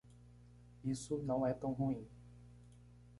Isso não é tão ruim.